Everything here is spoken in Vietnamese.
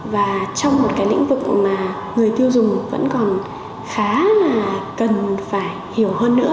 và trong một cái lĩnh vực mà người tiêu dùng vẫn còn khá là cần phải hiểu hơn nữa